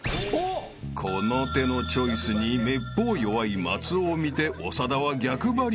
［この手のチョイスにめっぽう弱い松尾を見て長田は逆張り］